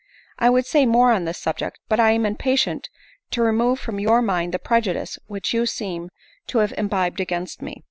I would say more on this subject, but I am impatient to remove from your mind the prejudice which you seem to have imbibed against me.